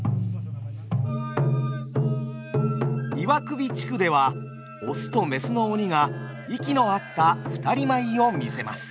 岩首地区では雄と雌の鬼が息の合った二人舞を見せます。